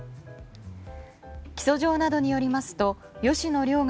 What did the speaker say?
起訴状などによりますと吉野凌雅